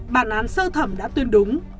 bản án sơ thẩm đã tuyên đúng